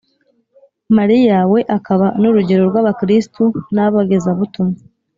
mariya, we akaba n’urugero rw’abakristu n’abogezabutumwa